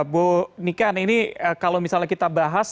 bu niken ini kalau misalnya kita bahas